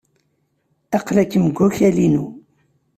Aql-ikem deg wakal-inu.